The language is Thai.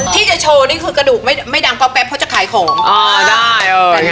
ที่จะโชว์นี่คือกระดูกไม่ดังก็แป๊บเขาจะขายของได้